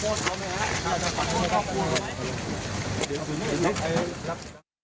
ขออนุญาตนะครับ